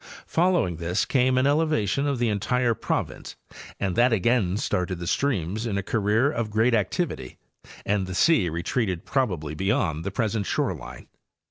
* Fol lowing this came an elevation of the entire province that again started the streams in a career of great activity, and the sea re treated probably beyond the present shoreline.